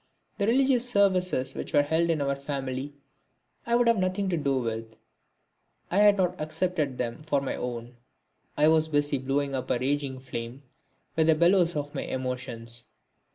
The religious services which were held in our family I would have nothing to do with, I had not accepted them for my own. I was busy blowing up a raging flame with the bellows of my emotions.